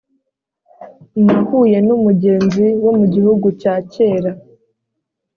nahuye numugenzi wo mugihugu cya kera